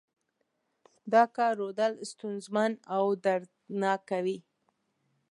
دا کار رودل ستونزمن او دردناک کوي.